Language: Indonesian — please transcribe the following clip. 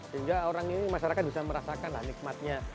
sehingga orang ini masyarakat bisa merasakan lah nikmatnya